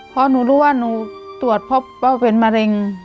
พ่อหนูรู้ว่าหนูตรวจพ่อเป็นมะเร็ง